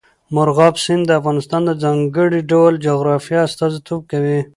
مورغاب سیند د افغانستان د ځانګړي ډول جغرافیه استازیتوب کوي.